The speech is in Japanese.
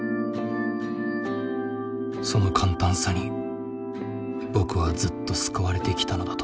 その簡単さに僕はずっと救われてきたのだと。